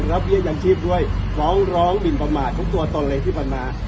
รับเยี่ยมยังชีพด้วยร้องร้องบินประมาททุกตัวตนเลยที่ปันมา